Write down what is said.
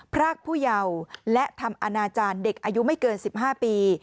พรากผู้เยาว์และทำอนาจารย์เด็กอายุไม่เกิน๑๕ปี